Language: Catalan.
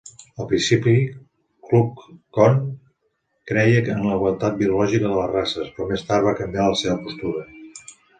Al principi, Kluckhohn creia en la igualtat biològica de les races, però més tard va canviar la seva postura.